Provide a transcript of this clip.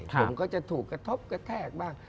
ผมก็จะถูกกระทบกระแทกบ้าง